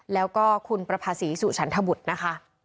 แล้วก็คุณประภาษีสุฉันทบุตรนะคะ